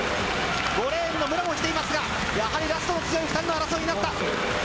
５レーンの武良もついていますが、やはりラストの強い２人の争いになった。